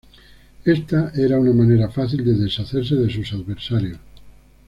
Esta era una manera fácil de deshacerse de sus adversarios.